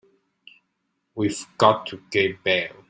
We've got to get bail.